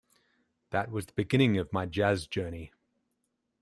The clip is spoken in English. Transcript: That was the beginning of my jazz journey.